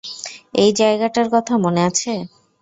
এই জায়গাটার কথা মনে আছে।